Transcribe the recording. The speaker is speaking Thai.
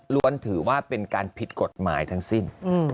ถือว่าเป็นการผิดกฎหมายทั้งสิ้น